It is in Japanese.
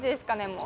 もう。